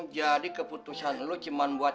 jadi keputusan lo cuma buat